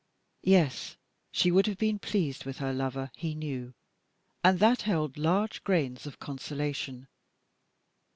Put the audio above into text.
Yes, she would have been pleased with her lover, he knew, and that held large grains of consolation.